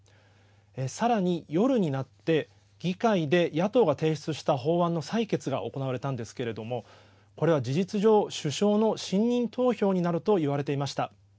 さらに、夜になって議会で野党が提出した法案の採決が行われたんですけれどもこれは事実上首相の信任投票になると言われていました。